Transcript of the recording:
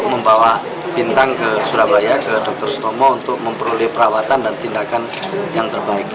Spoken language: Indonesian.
membawa bintang ke surabaya ke dr sutomo untuk memperoleh perawatan dan tindakan yang terbaik